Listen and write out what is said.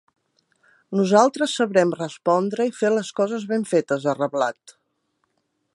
Nosaltres sabrem respondre i fer les coses ben fetes, ha reblat.